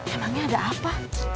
emangnya ada apa